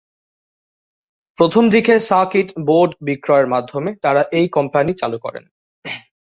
প্রথম দিকে circuit board বিক্রয়ের মাধ্যমে তারা এই কোম্পানি চালু করেন।